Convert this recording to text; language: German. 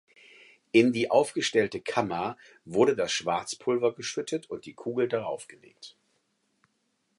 In die aufgestellte Kammer wurde das Schwarzpulver geschüttet und die Kugel darauf gelegt.